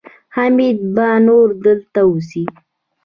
حميد به نور دلته اوسي.